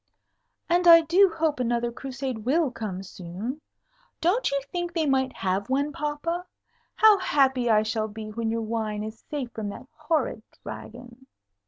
"And I do hope another Crusade will come soon. Don't you think they might have one, papa? How happy I shall be when your wine is safe from that horrid Dragon!"